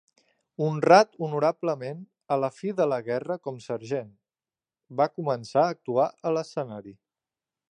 Honrat honorablement a la fi de la guerra com sergent, va començar a actuar a l'escenari.